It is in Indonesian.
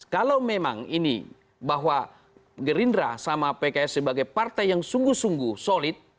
kalau memang ini bahwa gerindra sama pks sebagai partai yang sungguh sungguh solid